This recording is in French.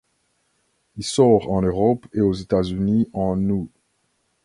Il sort en Europe et aux États-Unis en août.